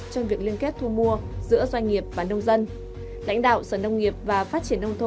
trong việc liên kết thu mua giữa doanh nghiệp và nông dân lãnh đạo sở nông nghiệp và phát triển nông thôn